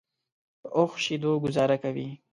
په اوښ شیدو ګوزاره کوي.